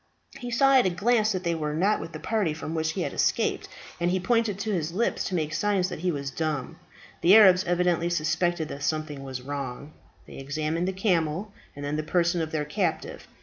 He saw at a glance that they were not with the party from which he had escaped, and he pointed to his lips to make signs that he was dumb. The Arabs evidently suspected that something was wrong. They examined the camel, and then the person of their captive.